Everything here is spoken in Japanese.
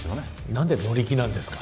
何で乗り気なんですか